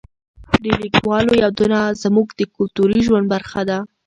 د لیکوالو یادونه زموږ د کلتوري ژوند برخه ده.